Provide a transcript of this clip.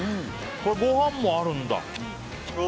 ご飯もあるんだ。